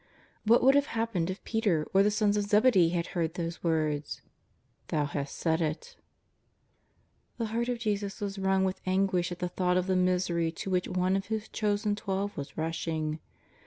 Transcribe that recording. What would have happened if Peter or the sons of Zebedee had heard those words :" Thou hast said it ?" The Heart of Jesus was wrung with anguish at the thought of the misery to which one of His chosen Twelve was rushing.